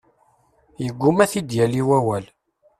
Yeggumma ad t-id-yali wawal.